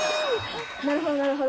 なるほどなるほど。